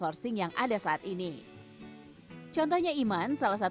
oh gitu ya